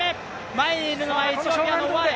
前にいるのはエチオピアのワレ。